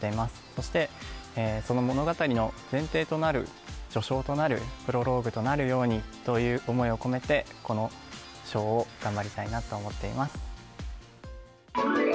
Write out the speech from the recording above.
そしてその物語の前提となる、序章となる、プロローグとなるようにという思いを込めて、このショーを頑張りたいなと思っています。